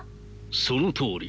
そのとおり。